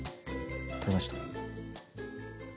取れました。